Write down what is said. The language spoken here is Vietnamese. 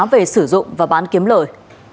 về sử dụng và bán kiếm lời